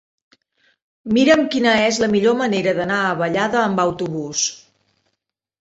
Mira'm quina és la millor manera d'anar a Vallada amb autobús.